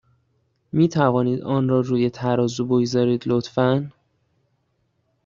می توانید آن را روی ترازو بگذارید، لطفا؟